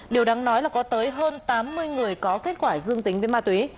điều đáng nói là có tới hơn tám mươi người có kết quả dương tính với ma túy